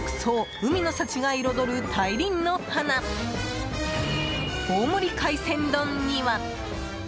海の幸が彩る大輪の花大盛り海鮮丼には。